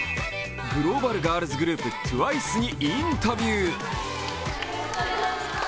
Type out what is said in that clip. グローバルガールズグループＴＷＩＣＥにインタビュー。